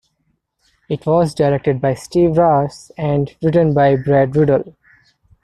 It was directed by Steve Rash and written by Brad Riddell.